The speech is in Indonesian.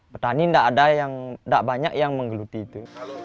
petani tidak ada yang tidak banyak yang menggeluti itu